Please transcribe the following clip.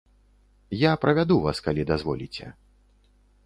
Я правяду вас, калі дазволіце.